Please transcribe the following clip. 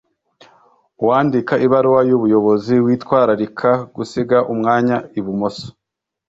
Uwandika ibaruwa y'ubuyobozi, yitwararika gusiga umwanya ibumoso